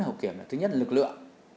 hậu kiểm là thứ nhất là lực lượng